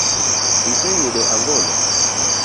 Iseyudo angolo?